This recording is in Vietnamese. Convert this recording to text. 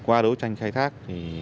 qua đối tranh khai thác